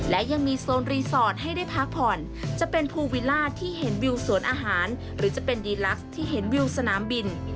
และยังมีโซนรีสอร์ทให้ได้พักผ่อนจะเป็นภูวิลล่าที่เห็นวิวสวนอาหารหรือจะเป็นดีลักษ์ที่เห็นวิวสนามบิน